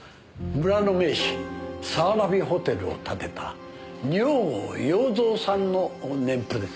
村の名士早蕨ホテルを建てた二百郷洋蔵さんの年譜です。